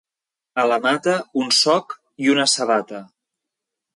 A la Mata, un soc i una sabata.